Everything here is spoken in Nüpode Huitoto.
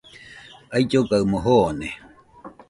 Aullogaɨmo joone.